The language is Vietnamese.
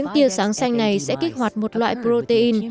điều này sẽ kích hoạt một loại protein